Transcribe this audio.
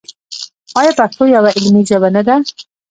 آیا پښتو یوه علمي ژبه نه ده؟